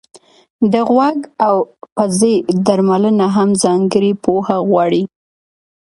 د غوږ او پزې درملنه هم ځانګړې پوهه غواړي.